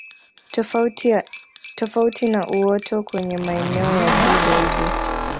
Tofauti na uoto kwenye maeneo ya juu zaidi